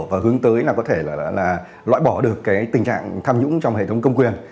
và hướng tới là có thể loại bỏ được tình trạng tham nhũng trong hệ thống công quyền